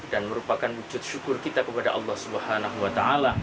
dan merupakan wujud syukur kita kepada allah swt